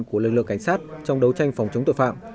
của lực lượng cảnh sát trong đấu tranh phòng chống tội phạm